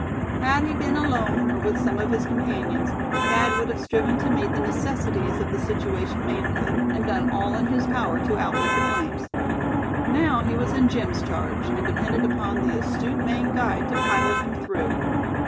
Had he been alone, or with some of his companions, Thad would have striven to meet the necessities of the situation manfully, and done all in his power to outwit the flames. Now he was in Jim's charge, and depended on the astute Maine guide to pilot him through.